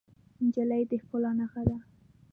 نجلۍ د ښکلا نښه ده.